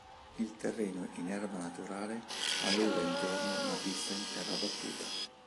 Il terreno in erba naturale aveva intorno una pista in terra battuta.